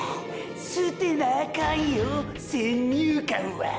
捨てなあかんよォ先入観はァ。